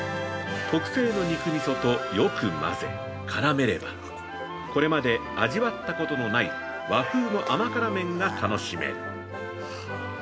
特製の肉味噌とよく混ぜ、絡めれば、これまで味わったことのない和風の甘辛麺が楽しめる。